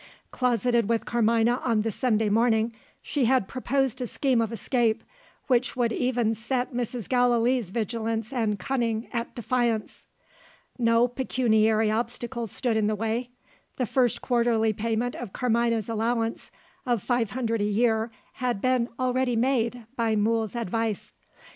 Closeted with Carmina on the Sunday morning, she had proposed a scheme of escape, which would even set Mrs. Gallilee's vigilance and cunning at defiance. No pecuniary obstacle stood in the way. The first quarterly payment of Carmina's allowance of five hundred a year had been already made, by Mool's advice.